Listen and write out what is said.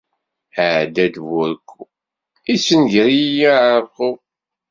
Iɛedda-d burekku, yessenger-iyi aɛerqub.